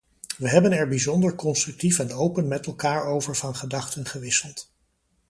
We hebben er bijzonder constructief en open met elkaar over van gedachten gewisseld.